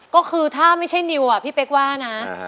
ก็คือถ้าไม่ใช่นิวพี่เป๊กว่านะ